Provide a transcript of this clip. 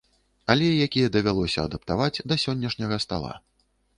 Але якія давялося адаптаваць да сённяшняга стала.